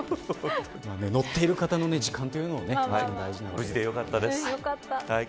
乗っている方の時間というのも無事でよかったです。